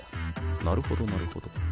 なるほどなるほど。